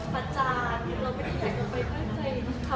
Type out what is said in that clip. พัชจาแแล้วเราไม่ได้อยากจะไปเต้นใจ